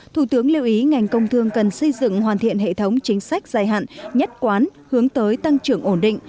thủ tướng lưu ý ngành công thương cần xây dựng hoàn thiện hệ thống chính sách dài hạn nhất quán hướng tới tăng trưởng ổn định